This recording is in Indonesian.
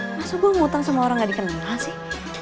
masuk gue ngutang sama orang gak dikenal sih